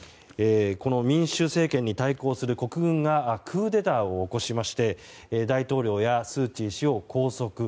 この民主政権に対抗する国軍がクーデターを起こしまして大統領やスー・チー氏を拘束。